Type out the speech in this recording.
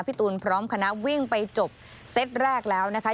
ตูนพร้อมคณะวิ่งไปจบเซตแรกแล้วนะคะ